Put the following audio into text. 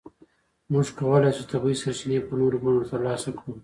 موږ کولای شو طبیعي سرچینې په نورو بڼو ترلاسه کړو.